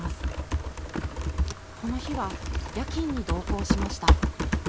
この日は夜勤に同行しました。